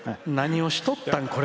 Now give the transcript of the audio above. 何をしとったん？